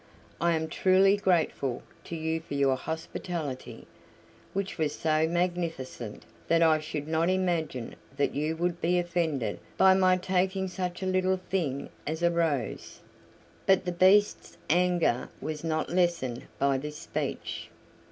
I am truly grateful to you for your hospitality, which was so magnificent that I could not imagine that you would be offended by my taking such a little thing as a rose." But the Beast's anger was not lessened by this speech.